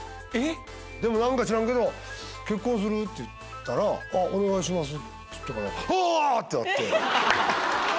でも何か知らんけど結婚する？って言ったら「お願いします」っつったからあ‼ってなって。